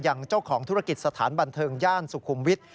อย่างเจ้าของธุรกิจสถานบันเทิงย่านสุขุมวิทย์